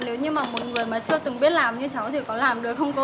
nếu như mà một người mà chưa từng biết làm như cháu thì có làm được không có